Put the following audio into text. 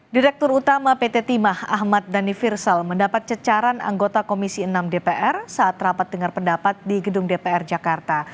direktur utama pt timah ahmad dhani firsal mendapat cecaran anggota komisi enam dpr saat rapat dengar pendapat di gedung dpr jakarta